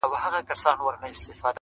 چې بې له هیڅه درنه تېرېږي.